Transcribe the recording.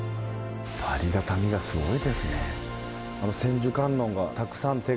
ありがたみがすごいですね。